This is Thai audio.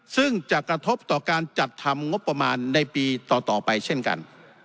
ซึ่งจะกระทบต่อการจัดทำงบประมาณในปีต่อไปเช่นกัน